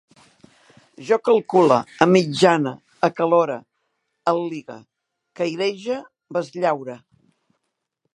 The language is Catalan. Jo calcule, amitjane, acalore, al·ligue, cairege, besllaure